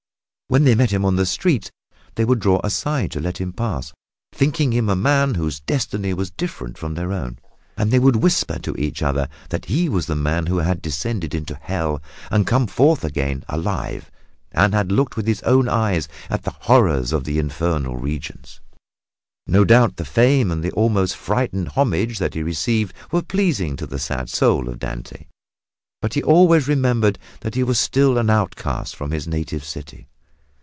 When they met him on the streets they would draw aside to let him pass, thinking him a man whose destiny was different from their own, and they would whisper to each other that he was the man who had descended into Hell and come forth again alive and had looked with his own eyes at the horrors of the Infernal Regions. No doubt the fame and the almost frightened homage that he received were pleasing to the sad soul of Dante, but he always remembered that he was still an outcast from his native city.